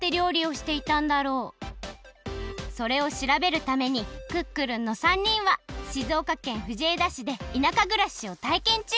それをしらべるためにクックルンの３人は静岡県藤枝市でいなかぐらしをたいけんちゅう！